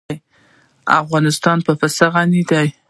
افغانستان په پسه غني دی.